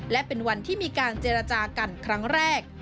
และเป็นวันที่มีการเจรจากันครั้งแรก